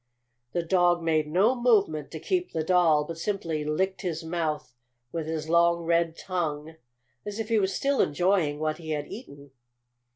The dog made no movement to keep the doll, but simply licked his mouth with his long, red tongue, as if he was still enjoying what he had eaten.